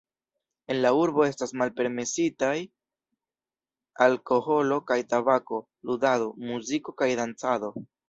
En la urbo estas malpermesitaj alkoholo kaj tabako, ludado, muziko kaj dancado.